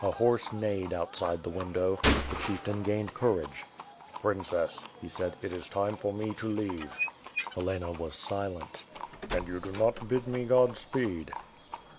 A horse neighed outside the window. The chieftain gained courage. "Princess," he said, "it is time for me to leave.^' Helena was silent. "And you do not bid me God speed."